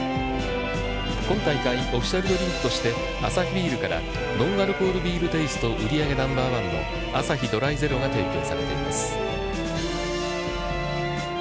今大会、オフィシャルドリンクとしてアサヒビールから、ノンアルコールビールテイスト売上ＮＯ．１のアサヒドライゼロが提供されています。